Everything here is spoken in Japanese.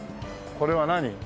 これは何？